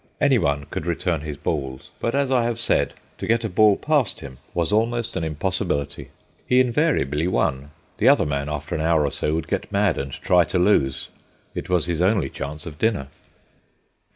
Anyone could return his balls; but, as I have said, to get a ball past him was almost an impossibility. He invariably won; the other man, after an hour or so, would get mad and try to lose. It was his only chance of dinner.